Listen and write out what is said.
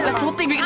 eh syuting gak ada